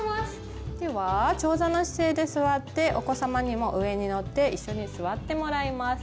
では長座の姿勢で座ってお子様にも上に乗っていっしょに座ってもらいます。